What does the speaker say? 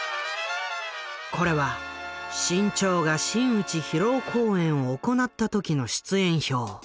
これは志ん朝が真打ち披露公演を行った時の出演表。